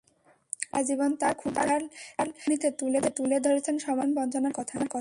কবি সারা জীবন তাঁর ক্ষুরধার লেখনীতে তুলে ধরেছেন সমাজের শোষণ-বঞ্চনার কথা।